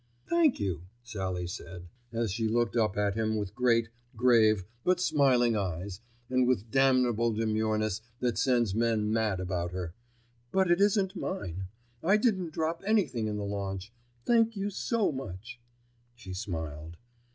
"Thank you," Sallie said, as she looked up at him with great, grave, but smiling eyes and with that damnable demureness that sends men mad about her, "but it isn't mine. I didn't drop anything in the launch. Thank you so much," she smiled.